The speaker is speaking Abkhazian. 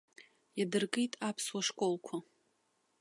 Иадыркит аԥсуа школқәа.